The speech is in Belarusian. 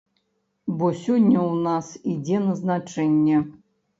Бо сёння ў нас ідзе назначэнне.